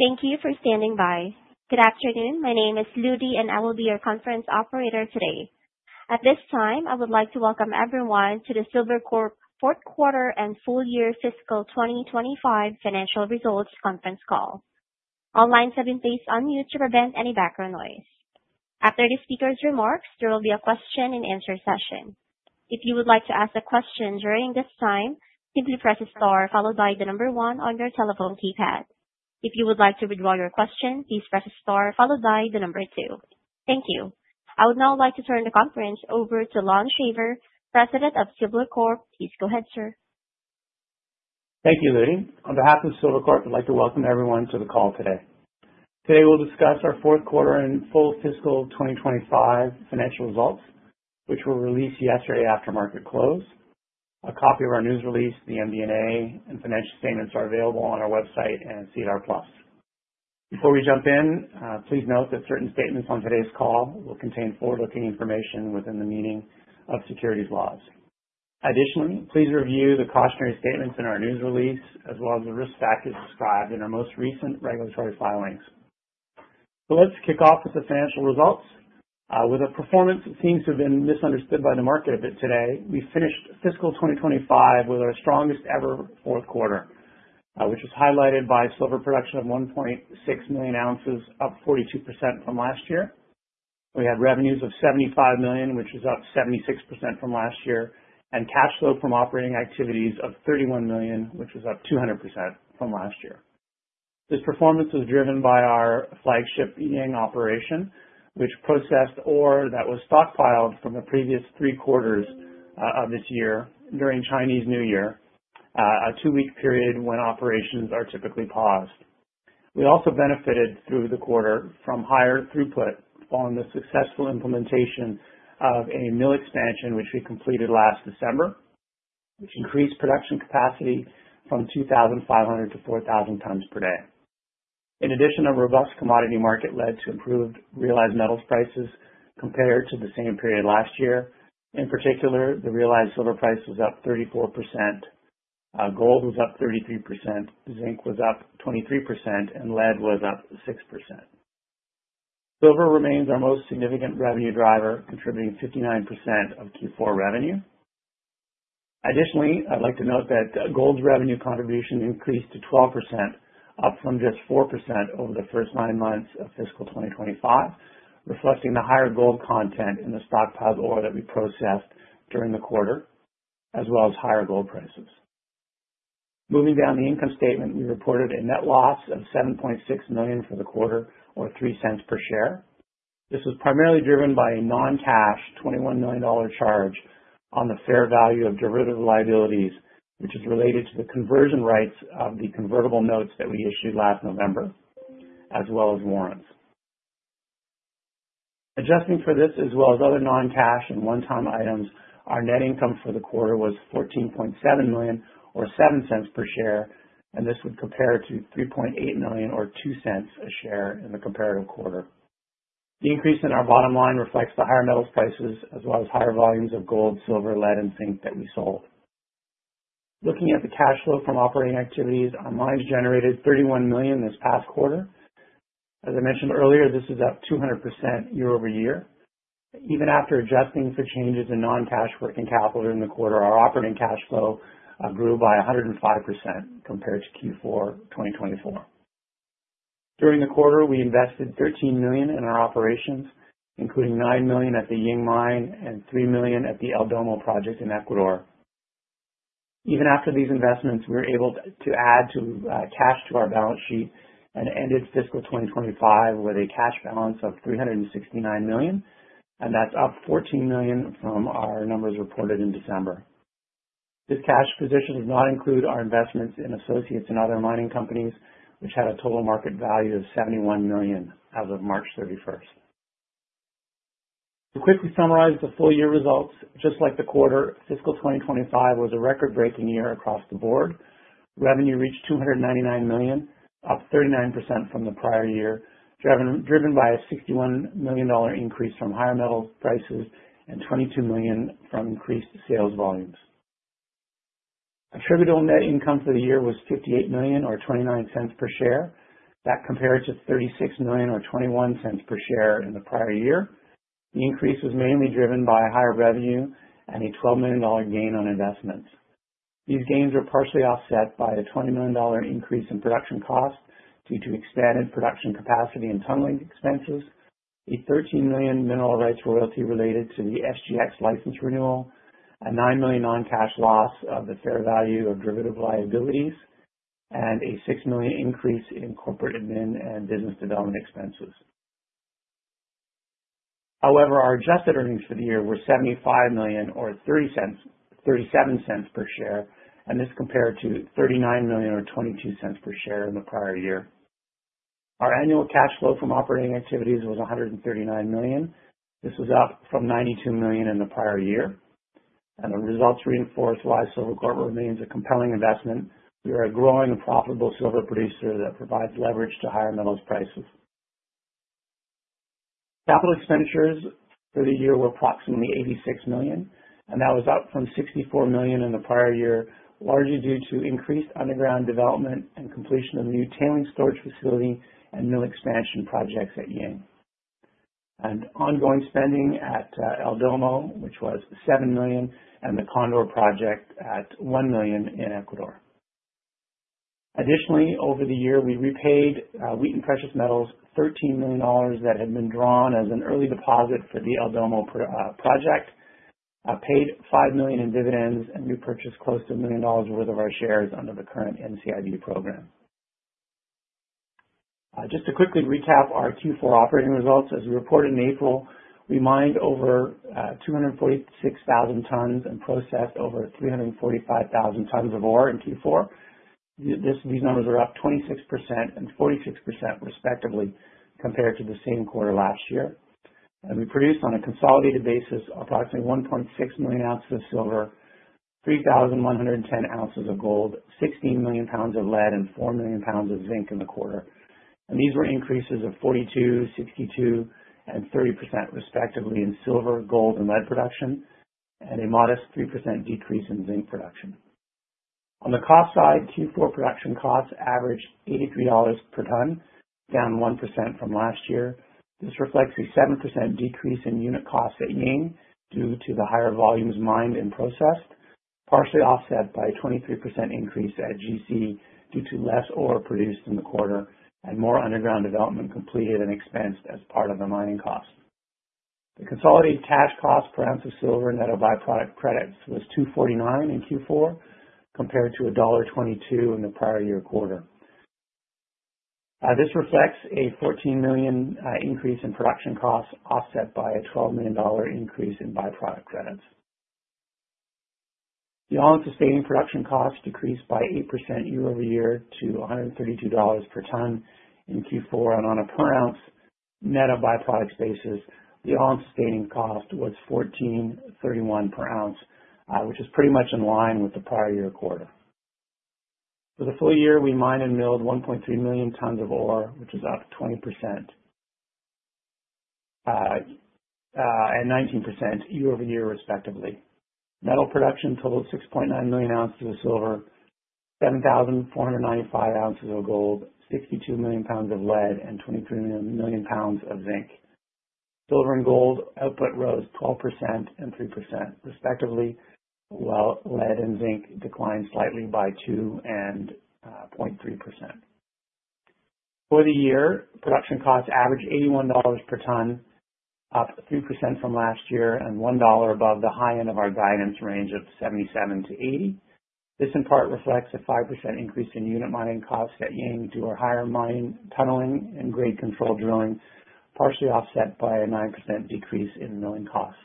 Thank you for standing by. Good afternoon. My name is Ludi, and I will be your conference operator today. At this time, I would like to welcome everyone to the Silvercorp Q4 and Full Year Fiscal 2025 Financial Results Conference Call. All lines have been placed on mute to prevent any background noise. After the speaker's remarks, there will be a Q&A. If you would like to ask a question during this time, simply press a star followed by the number one on your telephone keypad. If you would like to withdraw your question, please press a star followed by the number two. Thank you. I would now like to turn the conference over to Lon Shaver, President of Silvercorp. Please go ahead, sir. Thank you, Ludi. On behalf of Silvercorp, I'd like to welcome everyone to the call today. Today, we'll discuss our Q4 and full fiscal 2025 financial results, which were released yesterday after market close. A copy of our news release, the MB&A, and financial statements are available on our website and in SEDAR Plus. Before we jump in, please note that certain statements on today's call will contain forward-looking information within the meaning of securities laws. Additionally, please review the cautionary statements in our news release, as well as the risk factors described in our most recent regulatory filings. Let's kick off with the financial results. With a performance that seems to have been misunderstood by the market a bit today, we finished fiscal 2025 with our strongest-ever Q4, which was highlighted by silver production of 1.6 million oz, up 42% from last year. We had revenues of $75 million, which was up 76% from last year, and cash flow from operating activities of $31 million, which was up 200% from last year. This performance was driven by our flagship Ying operation, which processed ore that was stockpiled from the previous three quarters of this year during Chinese New Year, a two-week period when operations are typically paused. We also benefited through the quarter from higher throughput following the successful implementation of a mill expansion, which we completed last December, which increased production capacity from 2,500 to 4,000 tons per day. In addition, a robust commodity market led to improved realized metals prices compared to the same period last year. In particular, the realized silver price was up 34%, gold was up 33%, zinc was up 23%, and lead was up 6%. Silver remains our most significant revenue driver, contributing 59% of Q4 revenue. Additionally, I'd like to note that gold's revenue contribution increased to 12%, up from just 4% over the first nine months of Fiscal 2025, reflecting the higher gold content in the stockpiled ore that we processed during the quarter, as well as higher gold prices. Moving down the income statement, we reported a net loss of $7.6 million for the quarter, or $0.03 per share. This was primarily driven by a non-cash $21 million charge on the fair value of derivative liabilities, which is related to the conversion rights of the convertible notes that we issued last November, as well as warrants. Adjusting for this, as well as other non-cash and one-time items, our net income for the quarter was $14.7 million, or $0.07 per share, and this would compare to $3.8 million, or $0.02 a share in the comparative quarter. The increase in our bottom line reflects the higher metals prices, as well as higher volumes of gold, silver, lead, and zinc that we sold. Looking at the cash flow from operating activities, our mines generated $31 million this past quarter. As I mentioned earlier, this is up 200% year-over-year. Even after adjusting for changes in non-cash working capital during the quarter, our operating cash flow grew by 105% compared to Q4 2024. During the quarter, we invested $13 million in our operations, including $9 million at the Ying mine and $3 million at the El Domo project in Ecuador. Even after these investments, we were able to add cash to our balance sheet and ended Fiscal 2025 with a cash balance of $369 million, and that's up $14 million from our numbers reported in December. This cash position does not include our investments in associates and other mining companies, which had a total market value of $71 million as of March 31st. To quickly summarize the full year results, just like the quarter, Fiscal 2025 was a record-breaking year across the board. Revenue reached $299 million, up 39% from the prior year, driven by a $61 million increase from higher metals prices and $22 million from increased sales volumes. Attributable net income for the year was $58 million, or $0.29 per share. That compared to $36 million, or $0.21 per share in the prior year. The increase was mainly driven by higher revenue and a $12 million gain on investments. These gains were partially offset by a $20 million increase in production costs due to expanded production capacity and tunneling expenses, a $13 million mineral rights royalty related to the SGX license renewal, a $9 million non-cash loss of the fair value of derivative liabilities, and a $6 million increase in corporate admin and business development expenses. However, our adjusted earnings for the year were $75 million, or $0.37 per share, and this compared to $39 million, or $0.22 per share in the prior year. Our annual cash flow from operating activities was $139 million. This was up from $92 million in the prior year. The results reinforce why Silvercorp Metals remains a compelling investment. We are a growing and profitable silver producer that provides leverage to higher metals prices. Capital expenditures for the year were approximately $86 million, and that was up from $64 million in the prior year, largely due to increased underground development and completion of new tailing storage facility and mill expansion projects at Ying Mine. Ongoing spending at El Domo, which was $7 million, and the Condor project at $1 million in Ecuador. Additionally, over the year, we repaid Wheaton Precious Metals $13 million that had been drawn as an early deposit for the El Domo project, paid $5 million in dividends, and repurchased close to $1 million worth of our shares under the current NCIB program. Just to quickly recap our Q4 operating results, as we reported in April, we mined over 246,000 tons and processed over 345,000 tons of ore in Q4. These numbers were up 26% and 46%, respectively, compared to the same quarter last year. We produced on a consolidated basis approximately 1.6 million oz of silver, 3,110 oz of gold, 16 million lbs of lead, and 4 million lbs of zinc in the quarter. These were increases of 42%, 62%, and 30%, respectively, in silver, gold, and lead production, and a modest 3% decrease in zinc production. On the cost side, Q4 production costs averaged $83 per ton, down 1% from last year. This reflects a 7% decrease in unit costs at Ying Mine due to the higher volumes mined and processed, partially offset by a 23% increase at GC due to less ore produced in the quarter and more underground development completed and expensed as part of the mining costs. The consolidated cash cost per oz of silver net of byproduct credits was $2.49 in Q4, compared to $1.22 in the prior-year-quarter. This reflects a $14 million increase in production costs offset by a $12 million increase in byproduct credits. The all-in sustaining production costs decreased by 8% year-over-year to $132 per ton in Q4, and on a per oz net of byproduct basis, the all-in sustaining cost was $14.31 per oz, which is pretty much in line with the prior-year-quarter. For the full year, we mined and milled 1.3 million tons of ore, which is up 20% and 19% year-over-year, respectively. Metal production totaled 6.9 million oz of silver, 7,495 oz of gold, 62 million lbs of lead, and 23 million lbs of zinc. Silver and gold output rose 12% and 3%, respectively, while lead and zinc declined slightly by 2.3%. For the year, production costs averaged $81 per ton, up 3% from last year, and $1 above the high end of our guidance range of $77-$80. This, in part, reflects a 5% increase in unit mining costs at Ying due to our higher mining, tunneling, and grade control drilling, partially offset by a 9% decrease in milling costs.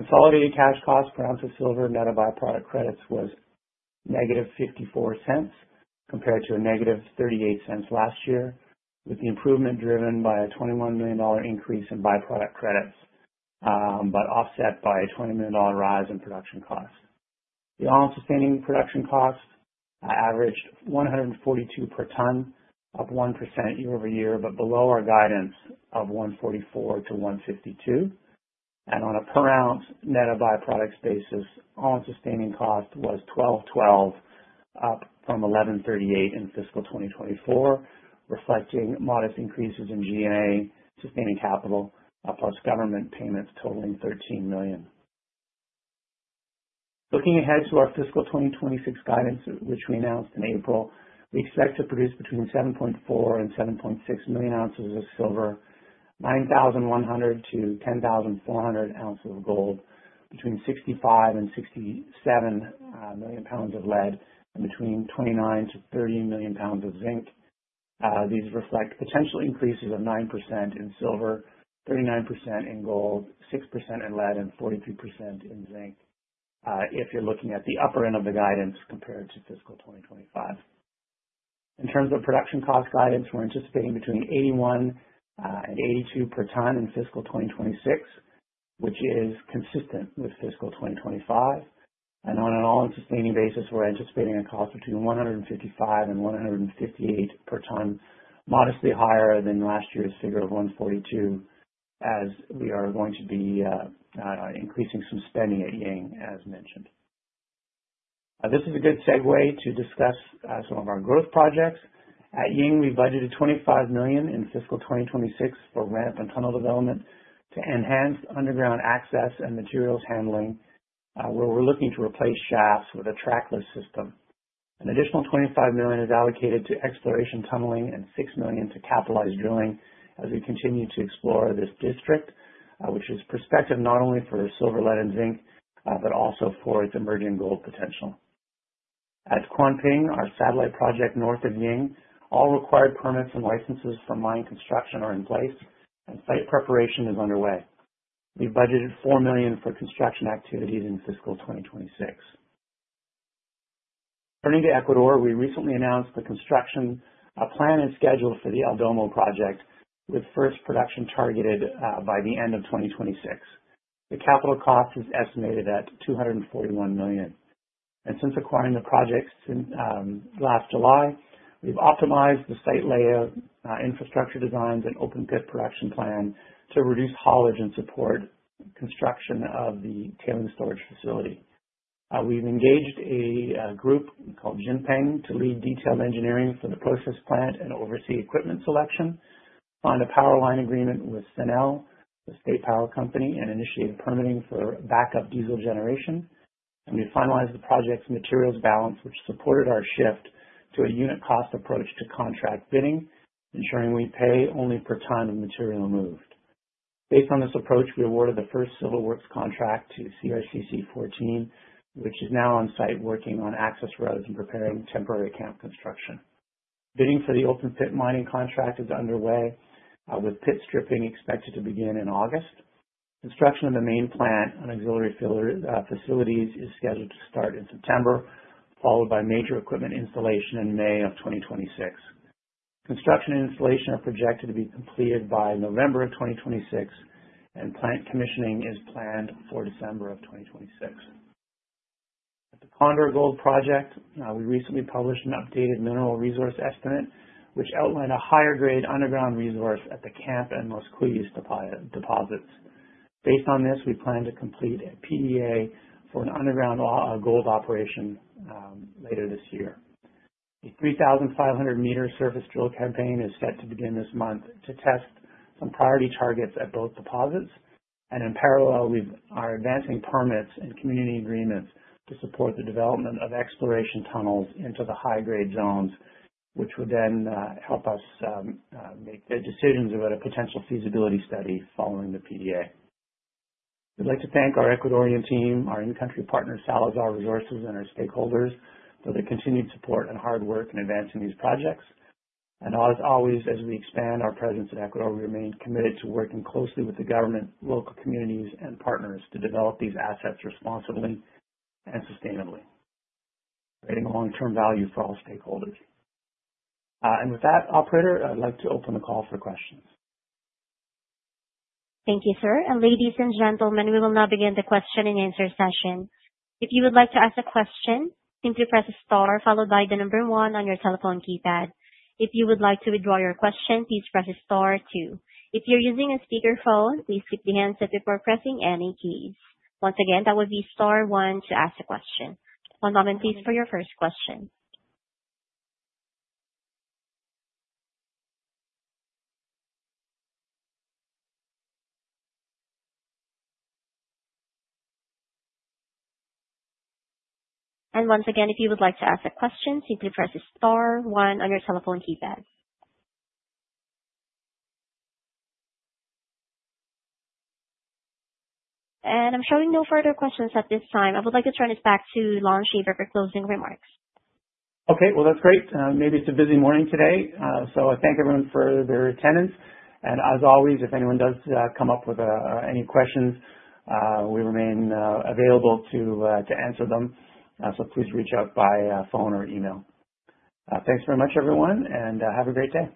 The consolidated cash cost per oz of silver net of byproduct credits was -$0.54 compared to -$0.38 last year, with the improvement driven by a $21 million increase in byproduct credits, but offset by a $20 million rise in production costs. The all-in sustaining production costs averaged $142 per ton, up 1% year-over-year, but below our guidance of $144-$152. On a per oz net of byproducts basis, all-in sustaining cost was $1,212, up from $1,138 in Fiscal 2024, reflecting modest increases in G&A, sustaining capital, plus government payments totaling $13 million. Looking ahead to our Fiscal 2026 guidance, which we announced in April, we expect to produce between 7.4-7.6 million oz of silver, 9,100-10,400 oz of gold, between 65-67 million lbs of lead, and between 29-30 million lbs of zinc. These reflect potential increases of 9% in silver, 39% in gold, 6% in lead, and 43% in zinc, if you are looking at the upper end of the guidance compared to Fiscal 2025. In terms of production cost guidance, we are anticipating between $81-$82 per ton in Fiscal 2026, which is consistent with Fiscal 2025. On an all-in sustaining basis, we're anticipating a cost between $155-$158 per ton, modestly higher than last year's figure of $142, as we are going to be increasing some spending at Ying Mine, as mentioned. This is a good segue to discuss some of our growth projects. At Ying Mine, we budgeted $25 million in Fiscal 2026 for ramp and tunnel development to enhance underground access and materials handling, where we're looking to replace shafts with a trackless system. An additional $25 million is allocated to exploration tunneling and $6 million to capitalized drilling as we continue to explore this district, which is prospective not only for silver, lead, and zinc, but also for its emerging gold potential. At Quanping, our satellite project north of Ying Mine, all required permits and licenses for mine construction are in place, and site preparation is underway. We budgeted $4 million for construction activities in fiscal 2026. Turning to Ecuador, we recently announced the construction plan and schedule for the El Domo project, with first production targeted by the end of 2026. The capital cost is estimated at $241 million. Since acquiring the projects last July, we've optimized the site layout, infrastructure designs, and open pit production plan to reduce haulage and support construction of the tailing storage facility. We've engaged a group called Jinpeng to lead detailed engineering for the process plant and oversee equipment selection, signed a power line agreement with Cenel, the state power company, and initiated permitting for backup diesel generation. We finalized the project's materials balance, which supported our shift to a unit cost approach to contract bidding, ensuring we pay only per ton of material moved. Based on this approach, we awarded the first civil works contract to CRCC 14, which is now on site working on access roads and preparing temporary camp construction. Bidding for the open pit mining contract is underway, with pit stripping expected to begin in August. Construction of the main plant and auxiliary facilities is scheduled to start in September, followed by major equipment installation in May of 2026. Construction and installation are projected to be completed by November of 2026, and plant commissioning is planned for December of 2026. At the Condor Gold Project, we recently published an updated mineral resource estimate, which outlined a higher-grade underground resource at the camp and Los Cuillos deposits. Based on this, we plan to complete a PDA for an underground gold operation later this year. A 3,500 m surface drill campaign is set to begin this month to test some priority targets at both deposits. In parallel, we are advancing permits and community agreements to support the development of exploration tunnels into the high-grade zones, which would then help us make decisions about a potential feasibility study following the PDA. We would like to thank our Ecuadorian team, our in-country partner, Salazar Resources, and our stakeholders for their continued support and hard work in advancing these projects. As always, as we expand our presence in Ecuador, we remain committed to working closely with the government, local communities, and partners to develop these assets responsibly and sustainably, creating long-term value for all stakeholders. With that, Operator, I would like to open the call for questions. Thank you, sir. Ladies and gentlemen, we will now begin the Q&A. If you would like to ask a question, simply press star followed by the number one on your telephone keypad. If you would like to withdraw your question, please press star two. If you're using a speakerphone, please keep the handset up before pressing any keys. Once again, that would be star one to ask a question. One moment, please, for your first question. Once again, if you would like to ask a question, simply press star one on your telephone keypad. I'm showing no further questions at this time. I would like to turn it back to Lon Shaver for closing remarks. Okay, that's great. Maybe it's a busy morning today. I thank everyone for their attendance. As always, if anyone does come up with any questions, we remain available to answer them. Please reach out by phone or email. Thanks very much, everyone, and have a great day.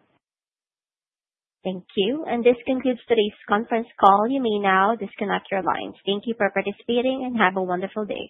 Thank you. This concludes today's conference call. You may now disconnect your lines. Thank you for participating and have a wonderful day.